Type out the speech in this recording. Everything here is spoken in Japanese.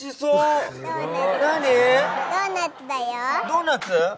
ドーナツ？